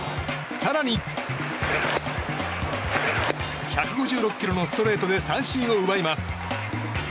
更に、１５６キロのストレートで三振を奪います。